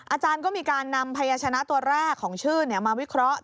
อาจารย์ก็มีการนำพยาชนะตัวแรกของชื่อมาวิเคราะห์